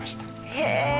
へえ！